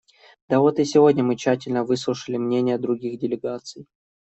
Да вот и сегодня мы тщательно выслушали мнения других делегаций.